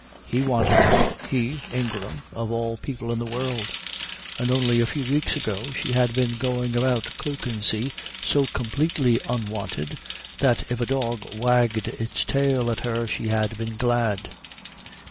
He wanted her, he, Ingram, of all people in the world; and only a few weeks ago she had been going about Kökensee so completely unwanted that if a dog wagged its tail at her she had been glad.